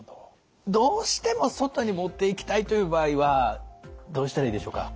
どうしても外に持っていきたいという場合はどうしたらいいでしょうか？